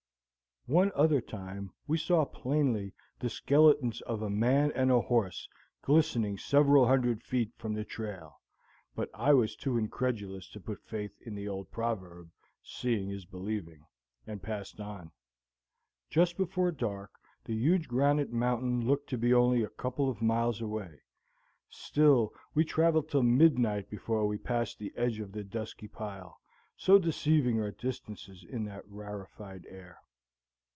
One other time we saw plainly the skeletons of a man and a horse glistening several hundred feet from the trail, but I was too incredulous to put faith in the old proverb, "Seeing is believing," and passed on. Just before dark the huge Granite Mountain looked to be only a couple of miles away. Still we traveled till midnight before we passed the edge of the dusky pile, so deceiving are distances in that rarified air.